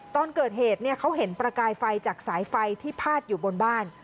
ตอนเกิดเหตุเขาเห็นประกายไฟจากสายไฟที่พาดอยู่บนบ้าน